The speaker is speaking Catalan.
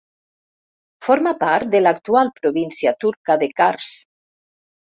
Forma part de l'actual província turca de Kars.